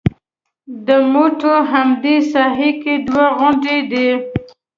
د موته همدې ساحه کې دوه غونډۍ دي.